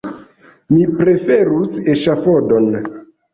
Mi preferus eŝafodon!